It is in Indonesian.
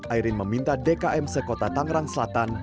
airin meminta dkm sekota tangerang selatan